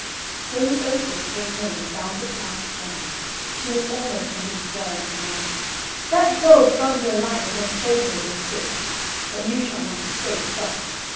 When the ogress came home and found the task done, she was almost in despair, and cried, "That dog Thunder and Lightning has played me this trick; but you shall not escape thus!